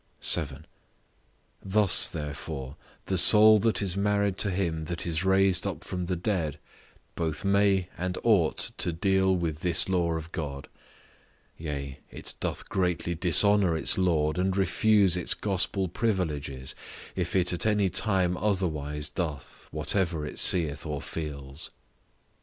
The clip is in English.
7. Thus, therefore, the soul that is married to him that is raised up from the dead, both may and ought to deal with this law of God; yea, it doth greatly dishonour its Lord and refuse its gospel privileges, if it at any time otherwise doth, whatever it seeth or feels.